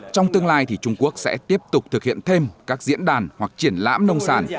trong tương lai thì trung quốc sẽ tiếp tục thực hiện thêm các diễn đàn hoặc triển lãm nông sản